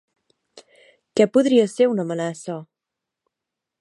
Què podria ser una amenaça?